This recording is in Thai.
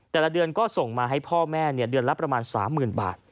แต่ละเดือนก็ส่งมาให้พ่อแม่เดือนละประมาณ๓๐๐๐บาท